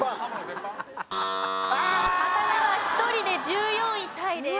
刀は１人で１４位タイです。